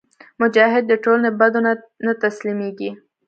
مجاهد د ټولنې بدو ته نه تسلیمیږي.